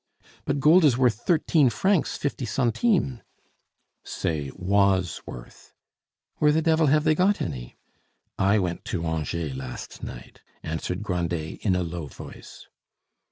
"But gold is worth thirteen francs fifty centimes." "Say was worth " "Where the devil have they got any?" "I went to Angers last night," answered Grandet in a low voice.